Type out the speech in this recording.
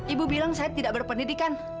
ibu bilang saya tidak berpendidikan